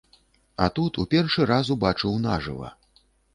А тут у першы раз убачыў нажыва.